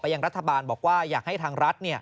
ยังรัฐบาลบอกว่าอยากให้ทางรัฐ